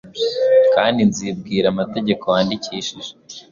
kandi nzibwira amategeko wandikishije.